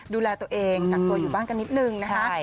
ดูแลตัวเองกักตัวอยู่บ้านกันนิดนึงนะคะ